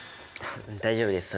大丈夫です